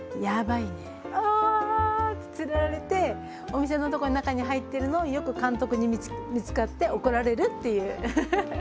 ああって釣られてお店のとこに中に入っているのをよく監督に見つかって怒られるっていうウフフフフ。